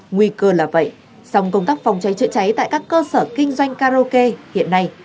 nguy cơ là vậy song công tác phòng cháy chữa cháy tại các cơ sở kinh doanh karaoke hiện nay